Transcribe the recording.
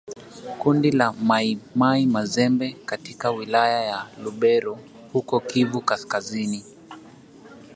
kundi la Mai Mai Mazembe katika wilaya ya Lubero huko Kivu Kaskazini